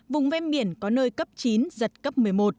vùng ven biển có nơi cấp chín giật cấp một mươi một